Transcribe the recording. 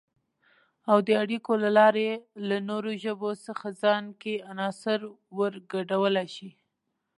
او د اړیکو له لارې له نورو ژبو څخه ځان کې عناصر ورګډولای شي